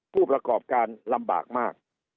ผู้ประกอบการลำบากมาก